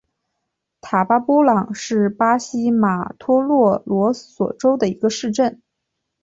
塔巴波朗是巴西马托格罗索州的一个市镇。